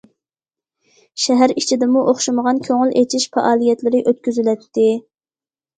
شەھەر ئىچىدىمۇ ئوخشىمىغان كۆڭۈل ئېچىش پائالىيەتلىرى ئۆتكۈزۈلەتتى.